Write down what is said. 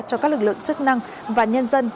cho các lực lượng chức năng và nhân dân